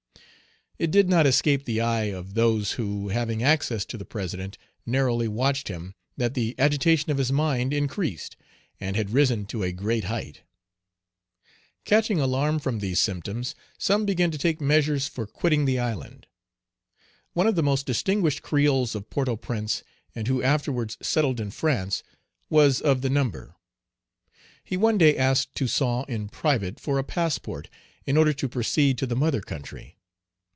It did not escape the eye of those who, having access to the President, narrowly watched him, that the agitation of his mind Page 150 increased, and had risen to a great height. Catching alarm from these symptoms, some began to take measures for quitting the island. One of the most distinguished creoles of Port au Prince, and who afterwards settled in France, was of the number. He one day asked Toussaint in private for a passport, in order to proceed to the mother country.